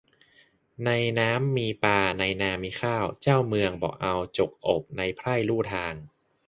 ในน้ำมีปลาในนามีข้าว เจ้าเมืองบ่เอาจกอบในไพร่ลู่ทาง